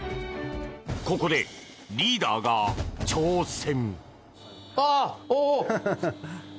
ここでリーダーが挑戦！